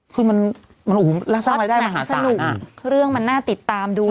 คือมันโอ้โหแล้วสร้างรายได้มหาสนุกเรื่องมันน่าติดตามดู